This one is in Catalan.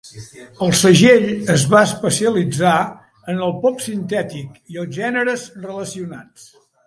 El segell es va especialitzar en el pop sintètic i els gèneres relacionats.